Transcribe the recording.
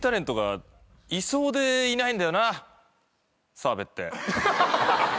澤部って。